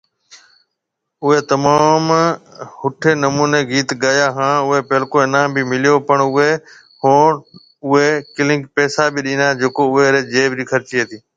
اوئي تموم ۿٺي نموني گيت گايا هان اوئي پهلڪو انعام بِي مليو، پڻ اوئي ھونعلاوه اوئي ني ڪئينڪ پئسا بِي ڏينا جڪو اوئي ري جيب خرچي هتي۔